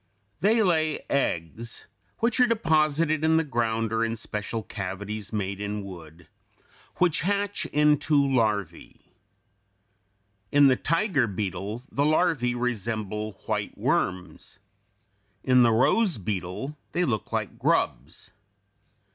They lay eggs which are deposited in the ground, or in special cavities made in wood, which hatch into larvæ (Fig. 202). In the tiger beetle the larvæ resemble white worms. In the rose beetle they look like grubs.